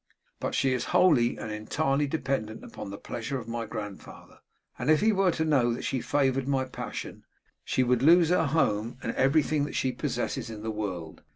But she is wholly and entirely dependent upon the pleasure of my grandfather; and if he were to know that she favoured my passion, she would lose her home and everything she possesses in the world.